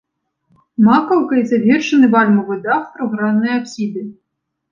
Макаўкай завершаны вальмавы дах трохграннай апсіды.